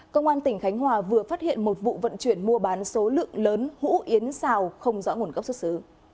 công an tỉnh khánh hòa vừa phát hiện một vụ vận chuyển mua bán số lượng lớn hũ yến xào không rõ nguồn gốc xuất xứ